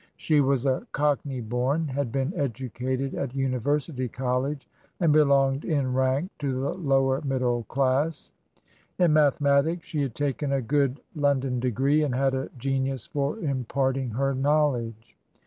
She was a cockney bom, had been educated at University College, and belonged in rank to the Lower Middle Class. In mathematics she had taken a good London degree and had a genius for imparting her knowledge.